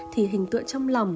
thì hình tượng trong lòng